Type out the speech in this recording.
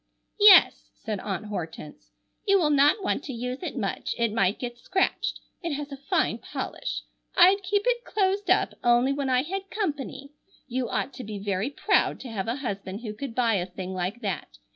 "Yes," said Aunt Hortense, "you will not want to use it much, it might get scratched. It has a fine polish. I'd keep it closed up only when I had company. You ought to be very proud to have a husband who could buy a thing like that.